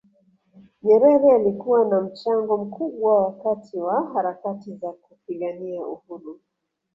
nyerere alikuwa na mchango mkubwa wakati wa harakati za kupigania uhuru